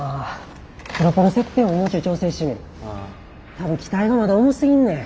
多分機体がまだ重すぎんねん。